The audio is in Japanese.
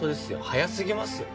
早すぎますよ